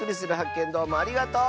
けんどうもありがとう！